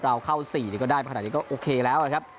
เราเข้า๔ก็ได้ขนาดนี้ก็โอเคแล้วนะครับ